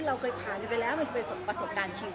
เราเคยผ่านมันไปแล้วมันเป็นประสบการณ์ชิง